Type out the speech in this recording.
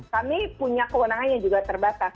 kami punya kewenangannya juga terbatas